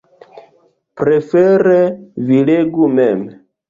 Prefere, vi legu mem.